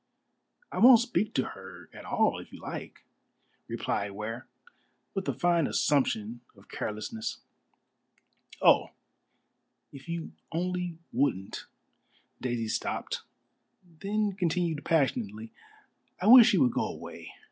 "I won't speak to her at all if you like," replied Ware, with a fine assumption of carelessness. "Oh, if you only wouldn't," Daisy stopped then continued passionately, "I wish she would go away.